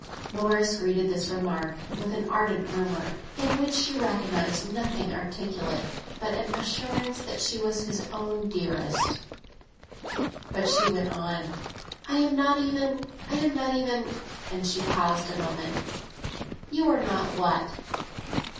Morris greeted this remark with an ardent murmur, in which she recognised nothing articulate but an assurance that she was his own dearest. But she went on. "I am not even—I am not even—" And she paused a moment. "You are not what?"